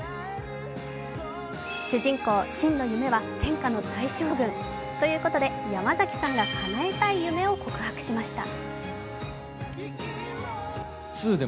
主人公・信の夢は天下の大将軍。ということで山崎さんがかなえたい夢を告白しました。